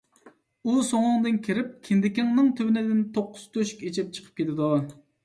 ئۇ سوڭۇڭدىن كىرىپ، كىندىكىڭنىڭ تۆۋىنىدىن توققۇز تۆشۈك ئېچىپ چىقىپ كېتىدۇ.